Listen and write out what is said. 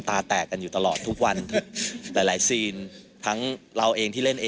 ว่าคนดูก็ต้องรู้สึกแบบเดียวกันกับพวกเราครับ